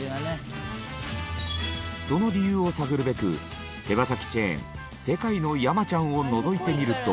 その理由を探るべく手羽先チェーン世界の山ちゃんをのぞいてみると。